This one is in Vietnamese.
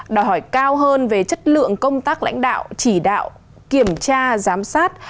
đòi hỏi cao hơn về chất lượng công tác lãnh đạo chỉ đạo kiểm tra giám sát